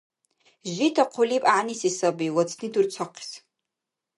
Жита хъулиб гӀягӀниси саби, вацни дурцахъес.